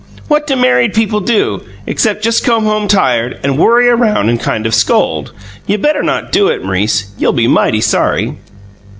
What do married people do, except just come home tired, and worry around and kind of scold? You better not do it, M'rice; you'll be mighty sorry."